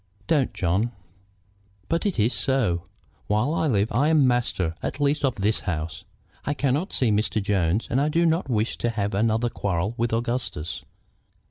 "Don't, John!" "But it is so. While I live I am master at least of this house. I cannot see Mr. Jones, and I do not wish to have another quarrel with Augustus.